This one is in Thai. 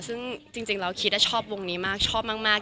ซึ่งจริงแล้วคิดชอบวงนี้มากชอบมาก